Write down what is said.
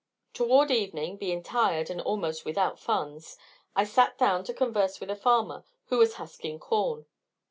Toward evening, being tired and almost without funds, I sat down to converse with a farmer who was husking corn.